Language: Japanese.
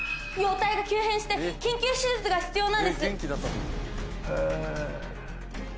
容体が急変して緊急手術が必要なんです！